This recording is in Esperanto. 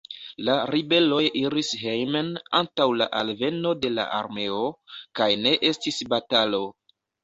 La ribeloj iris hejmen antaŭ la alveno de la armeo, kaj ne estis batalo.